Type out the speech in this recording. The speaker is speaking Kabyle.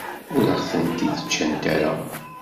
Ur aɣ-tent-id-ǧǧant ara.